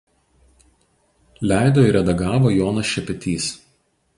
Leido ir redagavo Jonas Šepetys.